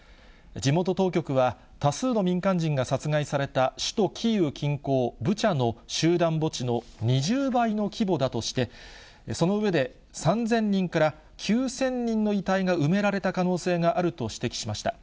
地元当局は多数の民間人が殺害された首都キーウ近郊、ブチャの集団墓地の２０倍の規模だとして、その上で、３０００人から９０００人の遺体が埋められた可能性があると指摘しました。